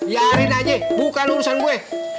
ya ari nanya bukan urusan gua